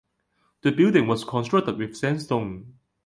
The building was constructed with sandstone.